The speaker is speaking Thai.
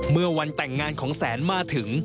เมื่อวันแต่งงานของแสนมาถึง